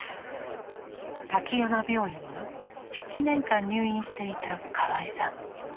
滝山病院に７年間入院していた河合さん。